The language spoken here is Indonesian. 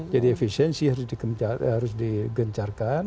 jadi efisiensi harus digencarkan